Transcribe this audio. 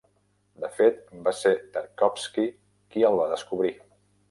De fet, va ser Tarkovsky qui "el va descobrir".